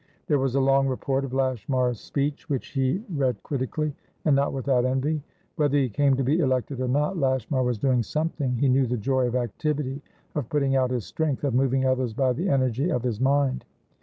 There was a long report of Lashmar's speech, which he read critically, and not without envy. Whether he came to be elected or not, Lashmar was doing something; he knew the joy of activity, of putting out his strength, of moving others by the energy of his mind.